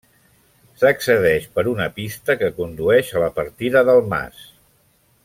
S'accedeix per una pista que condueix a la partida del Mas.